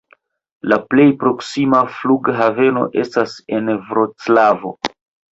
La plej proksima flughaveno estas en Vroclavo.